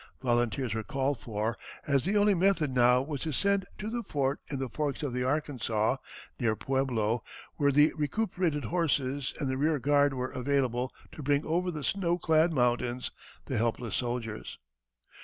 Volunteers were called for, as the only method now was to send to the fort in the forks of the Arkansas, (near Pueblo) where the recuperated horses and the rear guard were available to bring over the snow clad mountains the helpless soldiers.